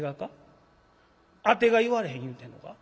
あてが言われへん言うてんのか？